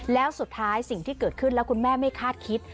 แล้วสุดท้ายสิ่งที่เกิดขึ้นแล้วคุณแม่ไม่คาดคิด